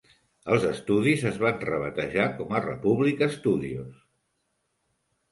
Els estudis es van rebatejar com a Republic Studios.